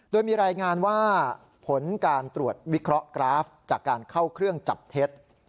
โดยมีรายงานว่าผลการตรวจวิเคราะห์กราฟจากการเข้าเครื่องจับเท็จ